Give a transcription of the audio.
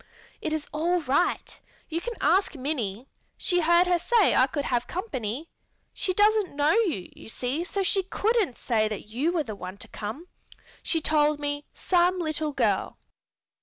It is all right. You can ask Minnie; she heard her say I could have company. She doesn't know you, you see, so she couldn't say that you were the one to come. She told me 'some little girl.'"